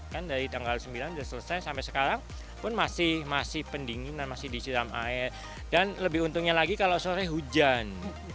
kan dari tanggal sembilan sudah selesai sampai sekarang pun masih pendinginan masih disiram air dan lebih untungnya lagi kalau sore hujan